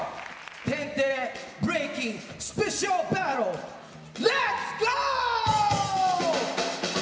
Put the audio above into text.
「天てれブレイキンスペシャルバトル」レッツゴー！